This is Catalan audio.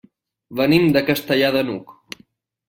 Venim de Castellar de n'Hug.